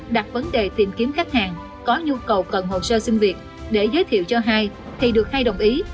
đặt vấn đề tìm kiếm khách hàng có nhu cầu cần hồ sơ xin việc để giới thiệu cho hai thì được hai đồng ý